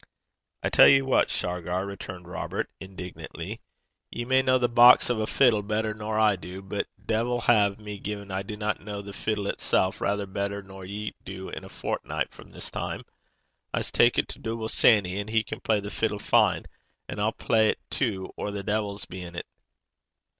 'I tell ye what, Shargar,' returned Robert, indignantly; 'ye may ken the box o' a fiddle better nor I do, but de'il hae me gin I dinna ken the fiddle itsel' raither better nor ye do in a fortnicht frae this time. I s' tak' it to Dooble Sanny; he can play the fiddle fine. An' I'll play 't too, or the de'il s' be in't.'